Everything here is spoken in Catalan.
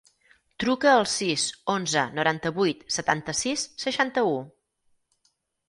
Truca al sis, onze, noranta-vuit, setanta-sis, seixanta-u.